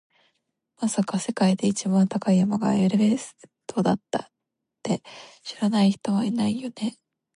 まさか、世界で一番高い山がエベレストだって知らない人はいないよね？